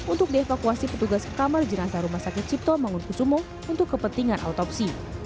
untuk dievakuasi petugas kamar jenazah rumah sakit cipto mangunkusumo untuk kepentingan autopsi